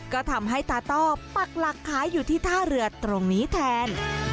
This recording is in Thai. ก็ทำให้ตาต้อปักหลักขายอยู่ที่ท่าเรือตรงนี้แทน